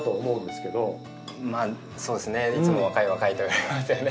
そうですねいつも若い若いと言われますよね。